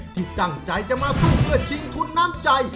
ที่ตั้งใจจะมาสู้เพื่อชิงทุนน้ำใจ